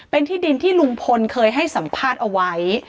เป็นที่ดินที่ลุงพลเคยให้สัมภาษณ์เอาไว้